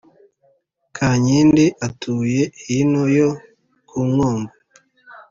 kankindi atuye hino yo kunkombo